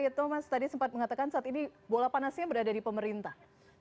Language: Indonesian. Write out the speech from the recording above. mas arief rayet tadi sempat mengatakan saat ini bola panasnya berada di pemerintah